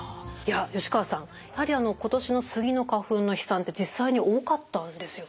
吉川さんやはり今年のスギの花粉の飛散って実際に多かったんですよね？